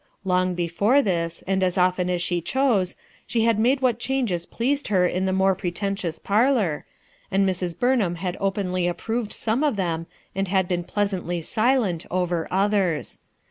Long before this, and as often as she chose she had made what changes pleased her in the more pretentious parlor, and Mrs. Burnhani had openly approved some of them and been pleas antly silent over others.